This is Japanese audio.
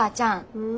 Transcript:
うん？